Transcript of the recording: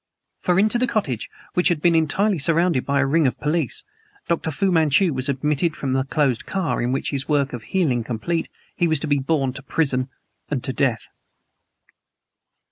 For into the cottage, which had been entirely surrounded by a ring of police, Dr. Fu Manchu was admitted from the closed car in which, his work of healing complete, he was to be borne to prison to death!